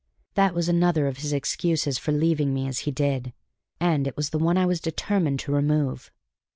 That was another of his excuses for leaving me as he did, and it was the one I was determined to remove.